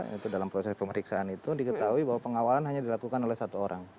itu dalam proses pemeriksaan itu diketahui bahwa pengawalan hanya dilakukan oleh satu orang